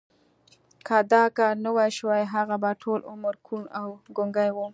که دا کار نه وای شوی هغه به ټول عمر کوڼ او ګونګی و